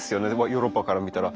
ヨーロッパから見たら。